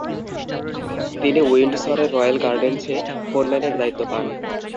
তিনি উইন্ডসরের রয়েল গার্ডেন্সে ফোরম্যানের দায়িত্ব পান।